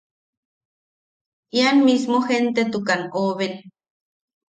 Ian mismo gen- tetukan oben.